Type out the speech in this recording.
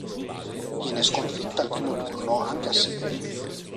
Viene sconfitta al primo turno anche a Sydney.